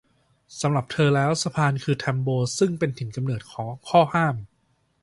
สำหรับเธอแล้วสะพานคือแทมโบซึ่งเป็นถิ่นกำเนิดของข้อห้าม